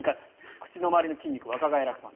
口の周りの筋肉を若返らせます。